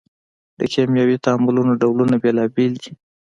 د کیمیاوي تعاملونو ډولونه بیلابیل دي.